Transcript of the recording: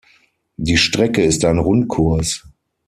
Die Strecke ist ein Rundkurs.